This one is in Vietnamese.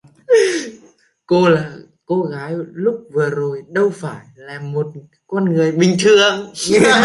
Cô gái lúc vừa rồi đâu phải là một con người bình thường